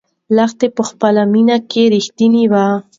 لښتې په خپله مینه کې رښتینې وه.